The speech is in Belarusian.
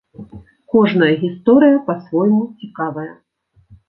Кожная гісторыя па-свойму цікавая.